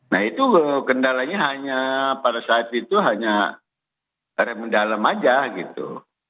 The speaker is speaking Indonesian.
nah itu kendalanya hanya pada saat itu hanya secara mendalam aja gitu